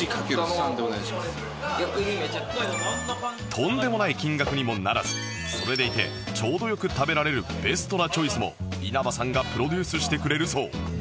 とんでもない金額にもならずそれでいてちょうどよく食べられるベストなチョイスも稲葉さんがプロデュースしてくれるそう